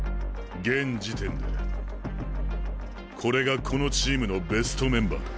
現時点でこれがこのチームのベストメンバーだ。